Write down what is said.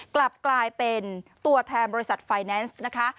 กลับกลายเป็นตัวแทนบริษัทไฟแนนซ์นะคะ